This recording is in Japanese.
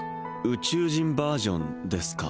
宇宙人バージョンですか？